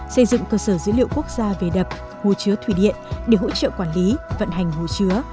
xây dựng cơ sở dữ liệu quốc gia về đập hồ chứa thủy điện để hỗ trợ quản lý vận hành hồ chứa